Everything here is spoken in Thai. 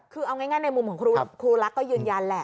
คือเอาง่ายในมุมของครูรักก็ยืนยันแหละ